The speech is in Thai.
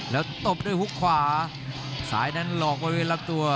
แล้วตบด้วยฮุกขวาซ้ายนั้นหลอกไปรับตัว